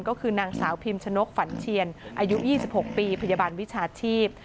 ก็คือนางสาวพิมชนกฝันเชียนอายุ๒๖ปีพยาบาลวิชาชีพ